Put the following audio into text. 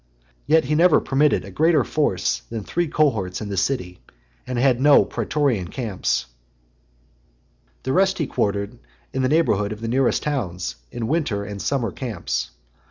Yet he never permitted a greater force than three cohorts in the city, and had no (pretorian) camps . The rest he quartered in the neighbourhood of the nearest towns, in winter and summer camps.